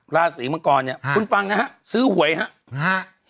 ราศีมังกรเนี่ยคุณฟังนะฮะซื้อหวยครับ